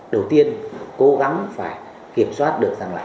đầu tiên cố gắng phải kiểm soát được rằng là